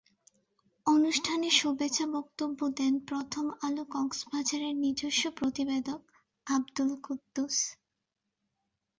অনুষ্ঠানে শুভেচ্ছা বক্তব্য দেন প্রথম আলো কক্সবাজারের নিজস্ব প্রতিবেদক আব্দুল কুদ্দুস।